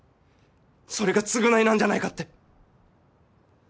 それが償いなんじゃないかって。